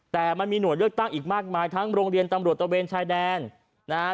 แต่มันมีหน่วยเลือกตั้งอีกมากมายทั้งโรงเรียนตำรวจตะเวนชายแดนนะฮะ